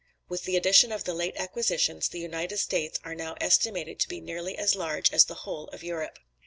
With the addition of the late acquisitions, the United States are now estimated to be nearly as large as the whole of Europe.